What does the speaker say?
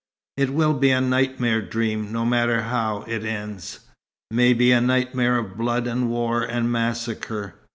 "It will be a nightmare dream, no matter how it ends; maybe a nightmare of blood, and war, and massacre.